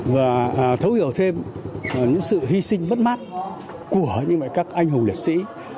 và thấu hiểu thêm những sự hy sinh bất mát của các anh hùng lễ sĩ